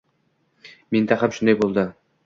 Menda ham shunday bo‘ldi.